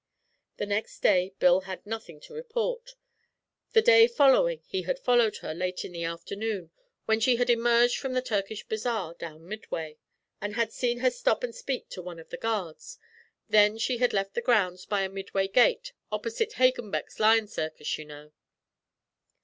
The next day Bill had nothing to report. The day following he had followed her, late in the afternoon, when she had emerged from the Turkish bazaar down Midway, and had seen her stop and speak to one of the guards, then she had left the grounds by a Midway gate 'opposite Hagenbeck's lion circus, ye know.'